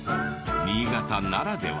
新潟ならでは。